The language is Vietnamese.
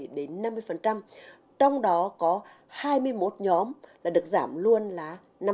từ một mươi đến năm mươi trong đó có hai mươi một nhóm là được giảm luôn là năm mươi